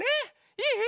いい？